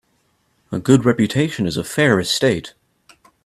A good reputation is a fair estate.